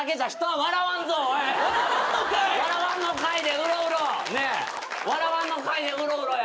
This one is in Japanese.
「笑わんのかい」でうろうろや。